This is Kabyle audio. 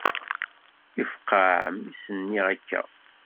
Yefqeε mi s-nniɣ akka.